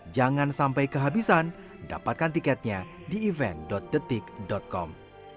jangan sampai kehabisan dapatkan tiketnya di event detik com